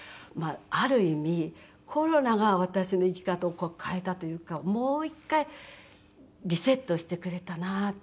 ある意味コロナが私の生き方を変えたというかもう一回リセットしてくれたなと。